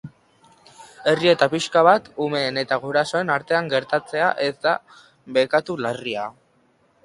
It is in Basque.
Errieta pixka bat umeen eta gurasoen artean gertatzea ez da bekatu larria.